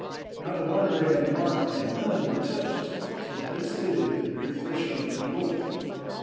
Now, the Wanderer had marked that none were touched till they stood at the very threshold of the doorway.